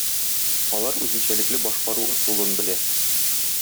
Алар үзенчәлекле башкару ысулын белә.